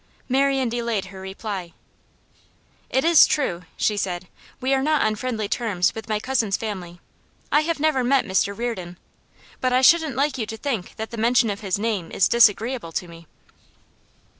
Marian delayed her reply. 'It is true,' she said, 'we are not on friendly terms with my cousin's family. I have never met Mr Reardon. But I shouldn't like you to think that the mention of his name is disagreeable to me.